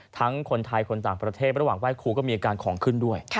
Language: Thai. คนไทยคนต่างประเทศระหว่างไหว้ครูก็มีอาการของขึ้นด้วย